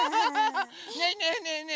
ねえねえねえね